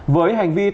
với hành vi tài liệu